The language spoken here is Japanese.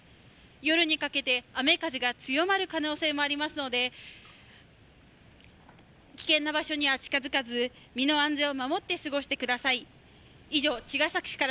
夜にかけて雨風が強まる可能性もありますので、危険な場所には近づかず、身の安全を守って過ごしてください。